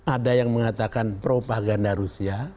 ada yang mengatakan propaganda rusia